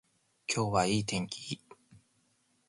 今日はいい天気